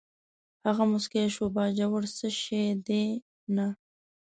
هغه موسکی شو: باجوړ څه شی دی، نه.